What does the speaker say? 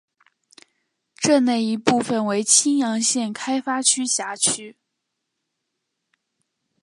镇内一部分为青阳县开发区辖区。